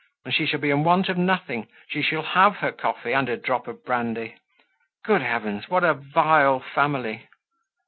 And she shall be in want of nothing; she shall have her coffee and her drop of brandy! Good heavens! what a vile family!"